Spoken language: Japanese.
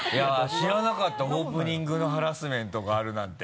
知らなかったオープニングのハラスメントがあるなんて。